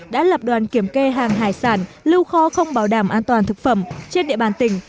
đã lập đoàn kiểm kê hàng hải sản lưu kho không bảo đảm an toàn thực phẩm trên địa bàn tỉnh